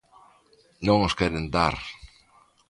Non os queren dar.